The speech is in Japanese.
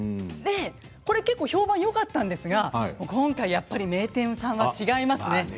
でこれ結構評判良かったんですが今回やっぱり名店さんは違いますね。